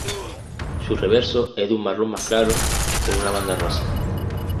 Su reverso es de un marrón más claro con una banda rosa.